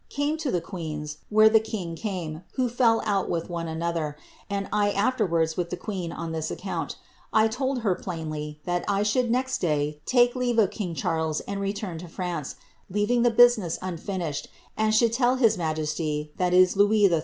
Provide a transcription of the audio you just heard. CSame to the queen's, where the king came, wAo fell out with er, and I afterwards with the queen, on this account. I told IT, that I should next day take leave of king Charles, and re fance^ leaving the business unfinished, and should tell his ma ids XI II.)